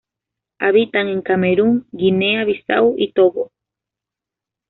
Habita en Camerún, Guinea-Bissau y Togo.